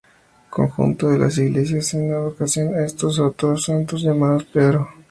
Conjunto de las iglesias en advocación a estos y otros santos llamados "Pedro"